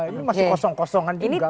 ini masih kosong kosongan